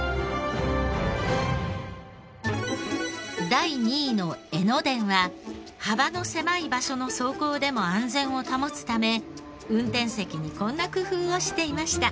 第２位の江ノ電は幅の狭い場所の走行でも安全を保つため運転席にこんな工夫をしていました。